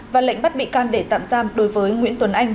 và lệnh bắt bị can để tạm giam đối với nguyễn tuấn anh